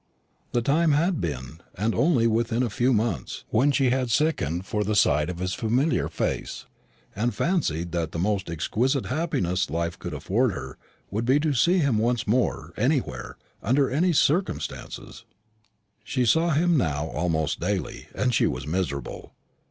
The time had been, and only within a few months, when she had sickened for the sight of his familiar face, and fancied that the most exquisite happiness life could afford her would be to see him once more, anywhere, under any circumstances. She saw him now almost daily, and she was miserable.